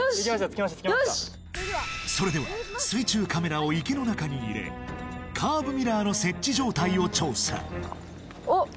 着きましたそれでは水中カメラを池の中に入れカーブミラーの設置状態を調査おっ